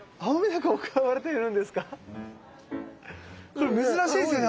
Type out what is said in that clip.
これ珍しいですよね